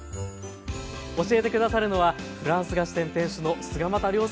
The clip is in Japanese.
教えて下さるのはフランス菓子店店主の菅又亮輔さんです。